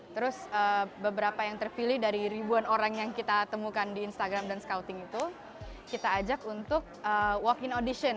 terus beberapa yang terpilih dari ribuan orang yang kita temukan di instagram dan scouting itu kita ajak untuk walk in audition